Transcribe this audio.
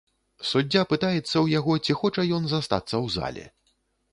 Суддзя пытаецца ў яго, ці хоча ён застацца ў зале.